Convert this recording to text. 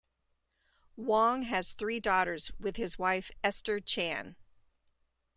Wong has three daughters with his wife, Esther Chan.